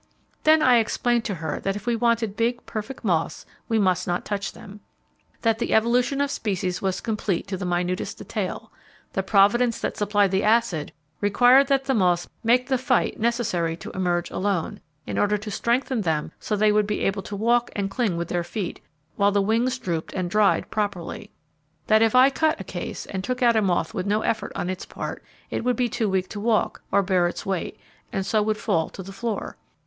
Then I explained to her that if we wanted big, perfect moths we must not touch them. That the evolution of species was complete to the minutest detail. The providence that supplied the acid, required that the moths make the fight necessary to emerge alone, in order to strengthen them so they would be able to walk and cling with their feet, while the wings drooped and dried properly. That if I cut a case, and took out a moth with no effort on its part, it would be too weak to walk, or bear its weight, and so would fall to the floor.